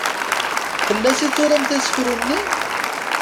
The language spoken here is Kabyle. Fell-as i turamt asefru-nni?